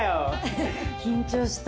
緊張した。